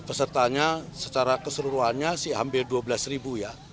pesertanya secara keseluruhannya sih hampir dua belas ribu ya